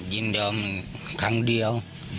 ยินยอมครั้งเดียว